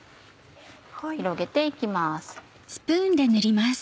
広げて行きます。